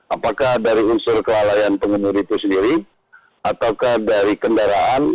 apakah dari unsur kelalaian pengemudi itu sendiri ataukah dari kendaraan